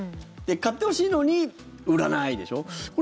買ってほしいのに売らないでしょ？